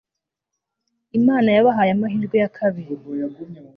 imana yabahaye amahirwe ya kabiri